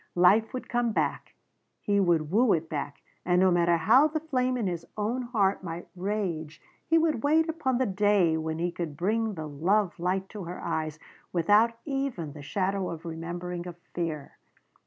Life would come back. He would woo it back. And no matter how the flame in his own heart might rage he would wait upon the day when he could bring the love light to her eyes without even the shadow of remembering of fear.